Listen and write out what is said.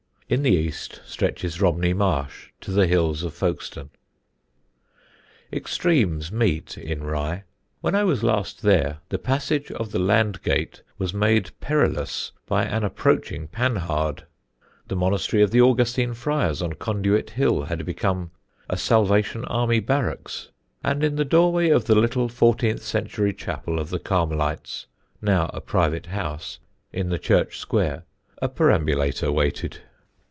In the east stretches Romney Marsh to the hills of Folkestone. Extremes meet in Rye. When I was last there the passage of the Landgate was made perilous by an approaching Panhard; the monastery of the Augustine friars on Conduit Hill had become a Salvation Army barracks; and in the doorway of the little fourteenth century chapel of the Carmelites, now a private house, in the church square, a perambulator waited.